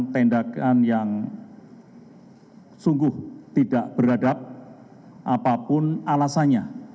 tindakan yang sungguh tidak beradab apapun alasannya